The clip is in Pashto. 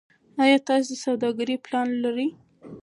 ایا تاسو د سوداګرۍ پلان لرئ.